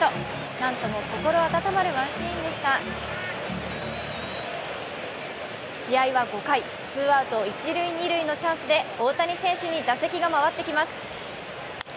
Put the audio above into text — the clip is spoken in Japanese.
なんとも心温まるワンシーンでした試合は５回、ツーアウト一・二塁のチャンスで大谷選手に打席が回ってきます。